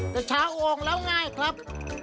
แต่เช้าโอ่งแล้วง่ายครับ